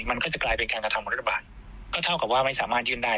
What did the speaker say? มันก็จะกลายเป็นการกระทำของรัฐบาลก็เท่ากับว่าไม่สามารถยื่นได้